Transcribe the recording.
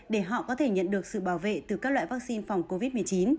để họ có thể nhận được sự bảo vệ từ các loại vaccine phòng covid một mươi chín